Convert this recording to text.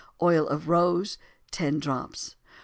Oil of rose 10 drops.